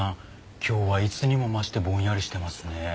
今日はいつにも増してぼんやりしてますね。